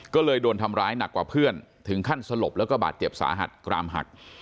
ก็เลยโดนทำร้ายหนักกว่าเพื่อนถึงขั้นสลบแล้วก็บาดเจ็บสาหัสกรามหัก